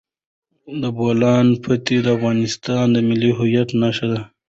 د بولان پټي د افغانستان د ملي هویت نښه ده.